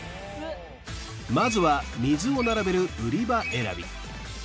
まずは水を並べる売り場選び